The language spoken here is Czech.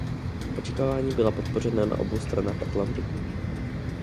Očekávání byla podpořena na obou stranách Atlantiku.